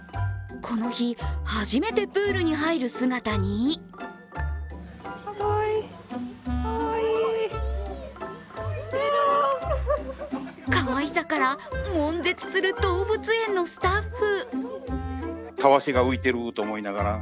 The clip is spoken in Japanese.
この日、初めてプールに入る姿にかわいさから悶絶する動物園のスタッフ。